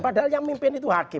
padahal yang mimpin itu hakim